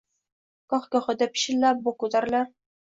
Goh-gohida pishillab bugʻ koʻtarilar